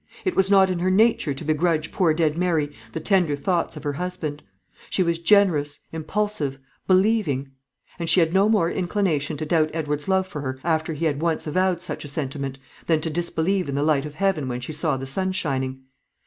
It was not in her nature to begrudge poor dead Mary the tender thoughts of her husband. She was generous, impulsive, believing; and she had no more inclination to doubt Edward's love for her, after he had once avowed such a sentiment, than to disbelieve in the light of heaven when she saw the sun shining.